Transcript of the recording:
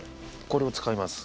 これを使います。